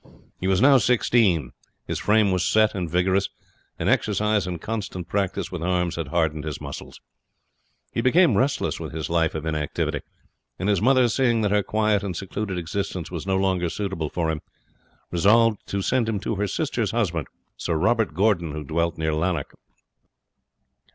He was now sixteen, his frame was set and vigorous, and exercise and constant practice with arms had hardened his muscles. He became restless with his life of inactivity; and his mother, seeing that her quiet and secluded existence was no longer suitable for him, resolved to send him to her sister's husband, Sir Robert Gordon, who dwelt near Lanark.